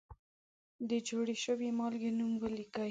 د جوړې شوې مالګې نوم ولیکئ.